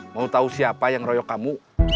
mau tahu siapa yang royok kamu